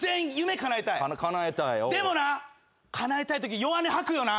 でもなかなえたいとき弱音吐くよな。